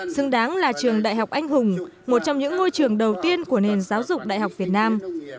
xứng đáng là trường đại học anh hùng một trong những ngôi trường đầu tiên của nền giáo dục đại học việt nam